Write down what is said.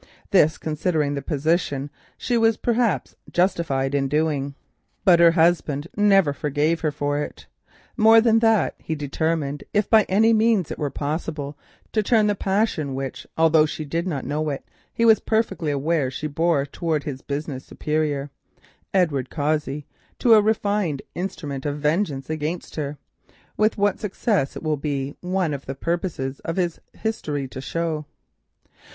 This, considering the position, she was perhaps justified in doing, but her husband never forgave her for it. More than that, he determined, if by any means it were possible, to turn the passion which, although she did not know it, he was perfectly aware she bore towards his business superior, Edward Cossey, to a refined instrument of vengeance against her, with what success it will be one of the purposes of this history to show.